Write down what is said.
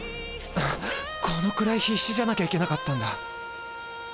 あっこのくらい必死じゃなきゃいけなかったんだ。